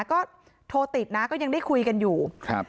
ก็โทรติดนะก็ยังได้คุยกันอยู่ครับ